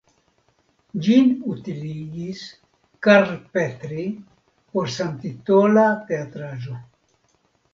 Ĝin utiligis Karl Petri por samtitola teatraĵo.